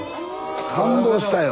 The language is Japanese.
感動したよ。